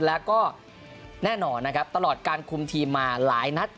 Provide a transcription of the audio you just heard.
แล้วก็แน่นอนนะครับตลอดการคุมทีมมาหลายนัด